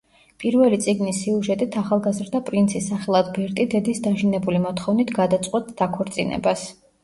პირველი წიგნის სიუჟეტით ახალგაზრდა პრინცი, სახელად ბერტი დედის დაჟინებული მოთხოვნით გადაწყვეტს დაქორწინებას.